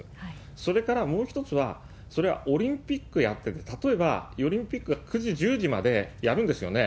それからもう一つは、それはオリンピックやってて、例えばオリンピック、９時、１０時までやるんですよね？